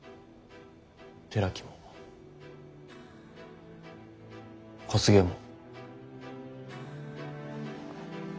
寺木も小菅も。